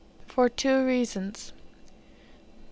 For two reasons: 1.